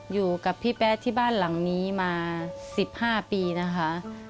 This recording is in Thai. อยู่กับพี่แป๊ะที่บ้านหลังนี้มา๑๕ปีนะคะ